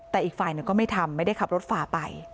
แต่อีกฝ่ายหนึ่งก็ไม่ทำไม่ได้ขับรถฝ่าไป